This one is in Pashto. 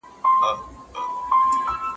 باطل تل د حق د پټولو هڅه کوی.